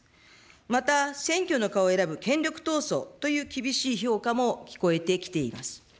また選挙の顔を選ぶ権力闘争という厳しい評価も聞こえてきています。